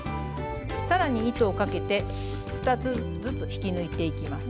更に糸をかけて２つずつ引き抜いていきます。